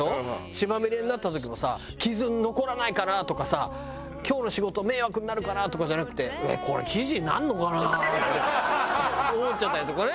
血まみれになった時もさ「傷残らないかな？」とかさ「今日の仕事迷惑になるかな？」とかじゃなくて「これ記事になるのかな？」って思っちゃったりとかね。